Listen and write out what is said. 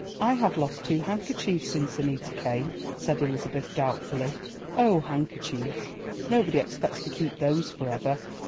"I have lost two handkerchiefs since Annita came," said Elizabeth doubtfully. "Oh, handkerchiefs, nobody expects to keep those forever.